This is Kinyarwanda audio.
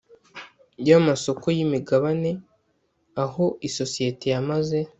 y amasoko y imigabane aho isosiyete yamaze